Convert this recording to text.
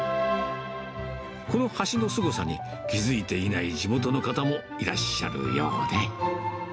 この橋のすごさに気付いていない地元の方もいらっしゃるようで。